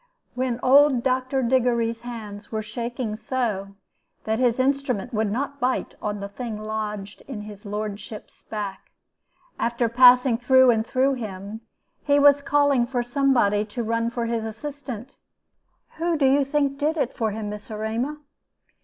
When old Dr. Diggory's hands were shaking so that his instrument would not bite on the thing lodged in his lordship's back, after passing through and through him, and he was calling for somebody to run for his assistant, who do you think did it for him, Miss Erema?